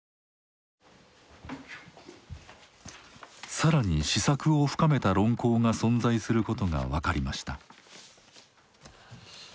更に思索を深めた論考が存在することが分かりました。